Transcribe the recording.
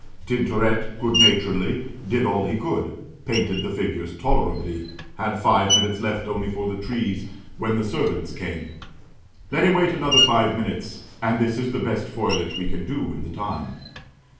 Tintoret good naturedly did all he could painted the figures tolerably had five minutes left only for the trees, when the servant came. "Let him wait another five minutes." And this is the best foliage we can do in the time.